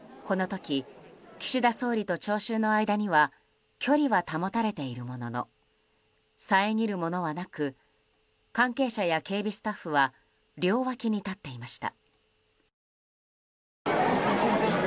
この時、岸田総理と聴衆の間には距離は保たれているものの遮るものはなく関係者や警備スタッフは両脇に立っていました。